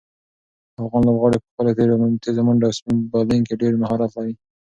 افغان لوبغاړي په خپلو تېزو منډو او سپین بالنګ کې ډېر مهارت لري.